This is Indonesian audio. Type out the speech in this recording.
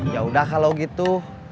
yaudah kalau gitu